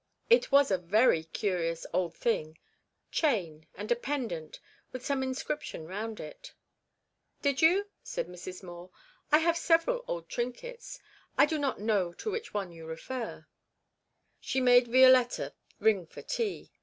It was a very curious old thing chain, and a pendant with some inscription round it.' 'Did you?' said Mrs. Moore. 'I have several old trinkets. I do not know to which you refer.' She bade Violetta ring for tea.